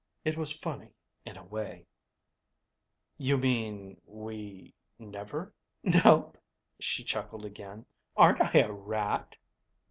It was funny, in a way. "You mean ... we never..." "Nope." She chuckled again. "Aren't I a rat?"